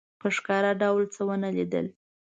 په ښکاره ډول څه ونه لیدل.